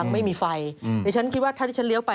ไม่มีไฟดิฉันคิดว่าถ้าที่ฉันเลี้ยวไป